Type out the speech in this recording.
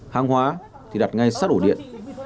hàng hóa thì đặt ngay sát ổ điện